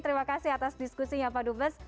terima kasih atas diskusinya pak dubes